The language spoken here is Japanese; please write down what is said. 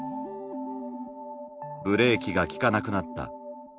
ブレーキが利かなくなった。